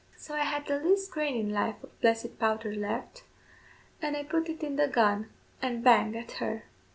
So I had the least grain in life of blessed powder left, and I put it in the gun and bang at her!